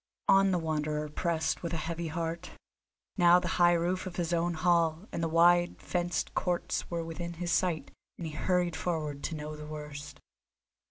On the Wanderer pressed with a heavy heart; now the high roof of his own hall and the wide fenced courts were within his sight, and he hurried forward to know the worst.